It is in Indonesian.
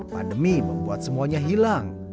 pandemi membuat semuanya hilang